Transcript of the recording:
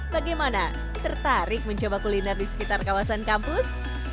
bagaimana tertarik mencoba kuliner di sekitar kawasan kampus